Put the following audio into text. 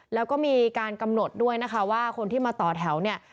แล้วก็มีการกำหนดด้วยนะคะว่าคนที่มาต่อแถวเนี่ย